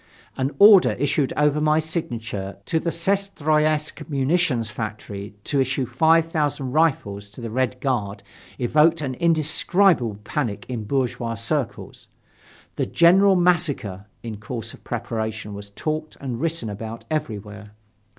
An order issued over my signature to the Syestroyetsk munitions factory to issue five thousand rifles to the Red Guard evoked an indescribable panic in bourgeois circles. "The general massacre" in course of preparation was talked and written about everywhere.